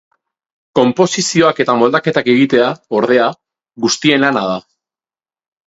Konposizioak eta moldaketak egitea, ordea, guztien lana da.